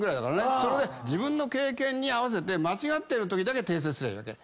それで自分の経験に合わせて間違ってるときだけ訂正すりゃいい。